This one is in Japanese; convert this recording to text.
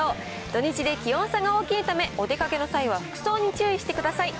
土日で気温差が大きいため、お出かけの際は服装に注意してください。